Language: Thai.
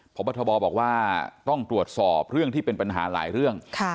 พบทบบอกว่าต้องตรวจสอบเรื่องที่เป็นปัญหาหลายเรื่อง